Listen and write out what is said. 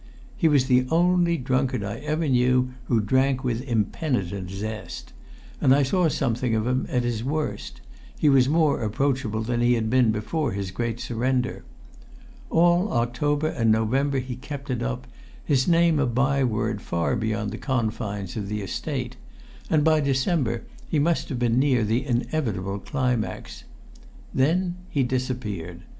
He was the only drunkard I ever knew who drank with impenitent zest; and I saw something of him at his worst; he was more approachable than he had been before his great surrender. All October and November he kept it up, his name a byword far beyond the confines of the Estate, and by December he must have been near the inevitable climax. Then he disappeared.